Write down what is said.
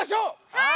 はい！